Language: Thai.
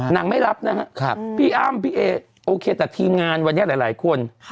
ไม่รับนะฮะพี่อ้ำพี่เอโอเคแต่ทีมงานวันนี้หลายคน